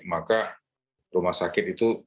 maka rumah sakit itu